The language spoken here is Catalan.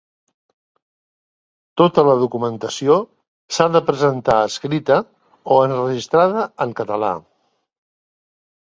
Tota la documentació s'ha de presentar escrita o enregistrada en català.